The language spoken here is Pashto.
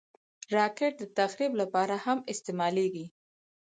راکټ د تخریب لپاره هم استعمالېږي